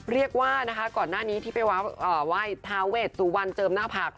เรียกว่านะคะก่อนหน้านี้ที่ไปไหว้ทาเวชสุวรรณเจิมหน้าผัก